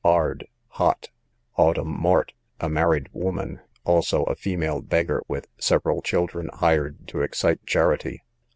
Ard, hot. Autumn Mort, a married woman; also a female beggar with several children, hired to excite charity.